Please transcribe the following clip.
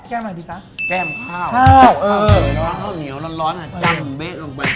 แก้มอะไรดี่จ้ะแก้มข้าวน้อยห้องเดียวร้อนอ่ะจ้ำเบ๊ะดูไป